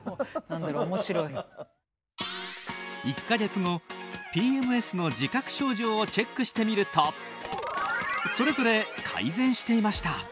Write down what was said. １か月後ＰＭＳの自覚症状をチェックしてみるとそれぞれ改善していました。